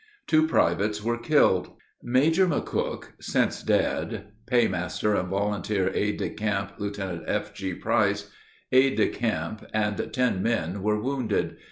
Two privates were killed. Major McCook (since dead), paymaster and volunteer aide de camp, Lieutenant F.G. Price, aide de camp, and ten men were wounded.